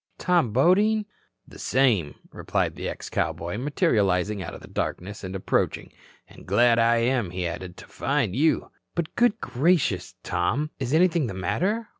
Tom Bodine?" "The same," replied the ex cowboy, materializing out of the darkness, and approaching. "And glad I am," he added, "to find you." "But, good gracious, Tom, is anything the matter?